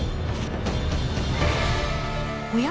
おや？